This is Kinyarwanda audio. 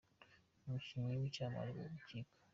Umukinnyi wicyamamare mu rukiko